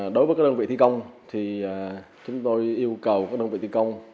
đối với các đơn vị thi công thì chúng tôi yêu cầu các đơn vị thi công